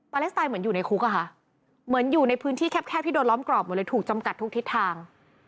เลสไตนเหมือนอยู่ในคุกอะค่ะเหมือนอยู่ในพื้นที่แคบที่โดนล้อมกรอบหมดเลยถูกจำกัดทุกทิศทาง